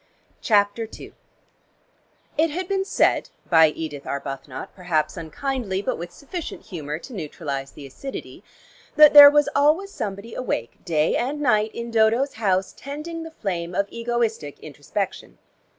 CHAPTER II It had been said, by Edith Arbuthnot, perhaps unkindly, but with sufficient humor to neutralize the acidity, that there was always somebody awake day and night in Dodo's house tending the flame of egoistic introspection.